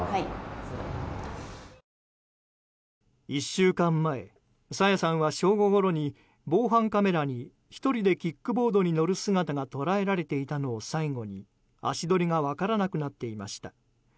１週間前、朝芽さんは正午ごろに防犯カメラに１人でキックボードに乗る姿が捉えられていたのを最後に足取りが分からなくなっていました。